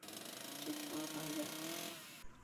চুপ কর, টাইগার।